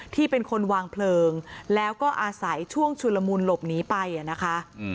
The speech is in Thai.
ที่เป็นคนวางเพลิงแล้วก็อาศัยช่วงชุลมูลหลบหนีไปนะคะ